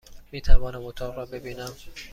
میتوانم اتاق را ببینم؟